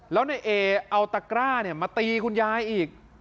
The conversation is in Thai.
แล้วในเอเอาตะกร้ามาตีคุณยายอีก